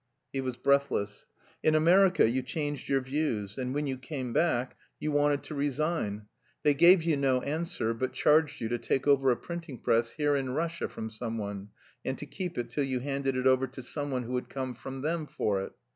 He was breathless. "In America you changed your views, and when you came back you wanted to resign. They gave you no answer, but charged you to take over a printing press here in Russia from someone, and to keep it till you handed it over to someone who would come from them for it.